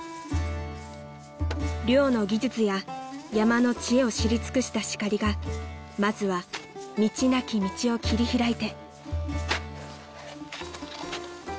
［猟の技術や山の知恵を知り尽くしたシカリがまずは道なき道を切り開いて］